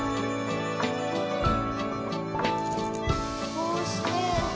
こうして。